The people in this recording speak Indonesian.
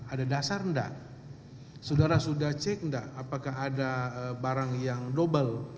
ada dasar enggak saudara sudah cek enggak apakah ada barang yang double